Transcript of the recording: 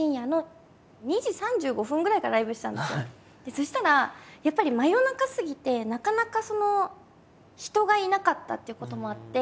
そしたらやっぱり真夜中すぎてなかなか人がいなかったっていうこともあって